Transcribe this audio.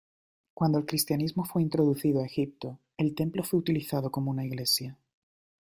Cuando el cristianismo fue introducido a Egipto, el templo fue utilizado como una iglesia.